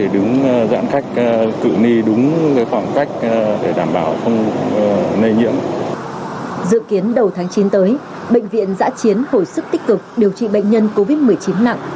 dự kiến đầu tháng chín tới bệnh viện giã chiến hồi sức tích cực điều trị bệnh nhân covid một mươi chín nặng